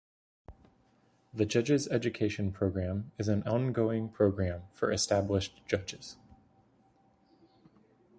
The judges education program is an ongoing program for established judges.